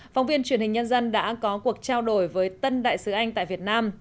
phóng viên truyền hình nhân dân đã có cuộc trao đổi với tân đại sứ anh tại việt nam